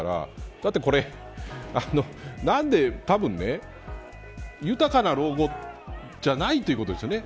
だって、これ豊かな老後じゃないということですよね。